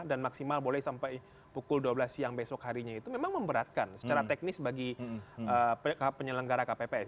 dan maksimal boleh sampai pukul dua belas siang besok harinya itu memang memberatkan secara teknis bagi penyelenggara kpps